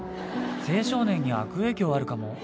青少年に悪影響あるかも。